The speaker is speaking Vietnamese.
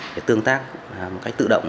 để tương tác một cách tự động